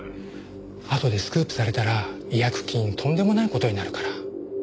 あとでスクープされたら違約金とんでもない事になるから。